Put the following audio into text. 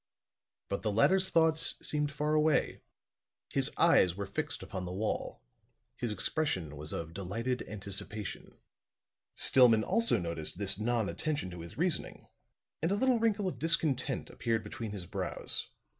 But the latter's thoughts seemed far away; his eyes were fixed upon the wall; his expression was of delighted anticipation. Stillman also noticed this non attention to his reasoning, and a little wrinkle of discontent appeared between his brows.